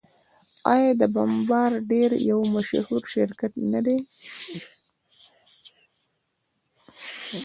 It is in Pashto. آیا بمبارډیر یو مشهور شرکت نه دی؟